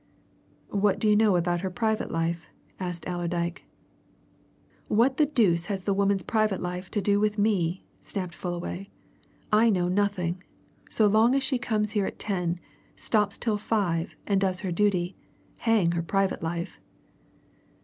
"What do you know about her private life?" asked Allerdyke. "What the deuce has the woman's private life to do with me?" snapped Fullaway. "I know nothing. So long as she comes here at ten, stops till five, and does her duty hang her private life!"